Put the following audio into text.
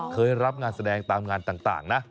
เคยรับงานแสดงตามงานต่างนะ